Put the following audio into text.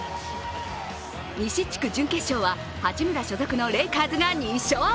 西地区準決勝は八村所属のレイカーズが２勝。